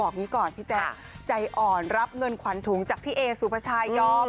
อันนี้ก่อนพี่แจกใจอ่อนรับเงินควันถุงจากพี่เอสุพชาย้อม